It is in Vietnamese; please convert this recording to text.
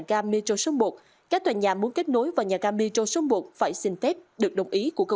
ga metro số một các tòa nhà muốn kết nối vào nhà ga metro số một phải xin phép được đồng ý của cơ